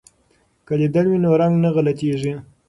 که لیدل وي نو رنګ نه غلطیږي.